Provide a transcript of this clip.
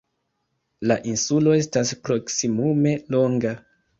La insulo estas proksimume longa.